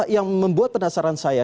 yang membuat penasaran saya